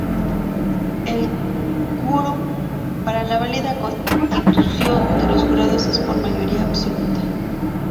El quórum para la válida constitución de los jurados es por mayoría absoluta.